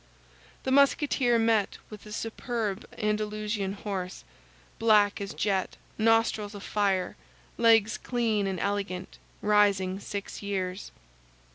The Musketeer met with a superb Andalusian horse, black as jet, nostrils of fire, legs clean and elegant, rising six years.